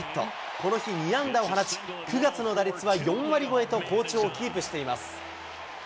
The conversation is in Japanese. この日２安打を放ち、９月の打率は４割超えと好調をキープしています。